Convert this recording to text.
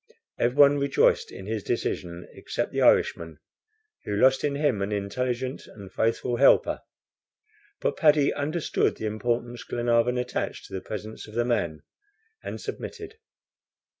Everyone rejoiced in his decision except the Irishman, who lost in him an intelligent and faithful helper. But Paddy understood the importance Glenarvan attached to the presence of the man, and submitted.